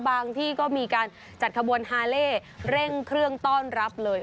ที่ก็มีการจัดขบวนฮาเล่เร่งเครื่องต้อนรับเลย